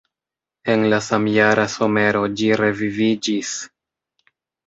En la samjara somero ĝi reviviĝis.